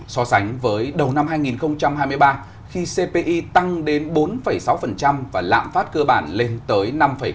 so sánh với đầu năm hai nghìn hai mươi ba khi cpi tăng đến bốn sáu và lạm phát cơ bản lên tới năm ba